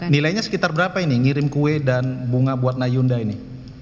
nilainya sekitar berapa ini ngirim kue dan bunga buat nayunda ini